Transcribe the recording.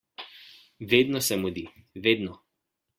Vedno se mudi, vedno!